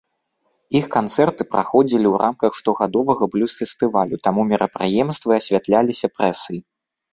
Іх канцэрты праходзілі ў рамках штогадовага блюз-фестывалю, таму мерапрыемствы асвятляліся прэсай.